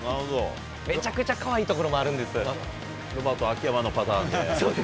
めちゃくちゃかわいいところもあるんです。